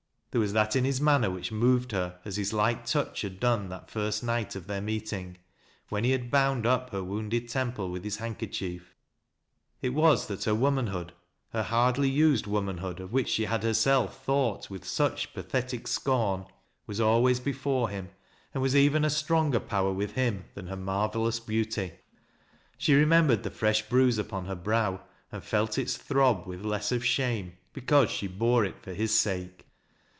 There was that in his manner which moved her as his light touch had done that first night of their meeting, when he had bound up her wounded temple with his handkerchief. It was that her womanhood — her hardly used womanhood, of which she had herself thought with such pathetic scorn — was always before him, and was even a stronger power with him than her marvellous Ijeauty. She remembered the fresh bruise upon her brow, and fslt its throb with less of shame, because she bore it for his sake.